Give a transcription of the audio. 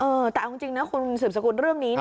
เออแต่จริงคุณศูนย์สกุลเรื่องนี้